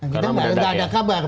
karena tidak ada kabar